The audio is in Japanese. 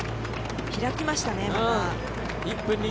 開きましたね。